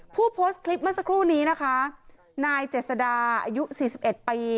ผู้โพสต์คลิปเมื่อสักครู่นี้นะคะนายเจษดาอายุสี่สิบเอ็ดปี